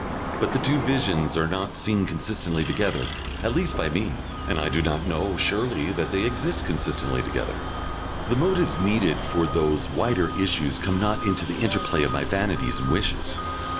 But the two visions are not seen consistently together, at least by me, and I do not surely know that they exist consistently together. The motives needed for those wider issues come not into the interplay of my vanities and wishes.